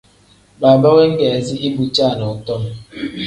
Baaba weegeezi ibu caanadom.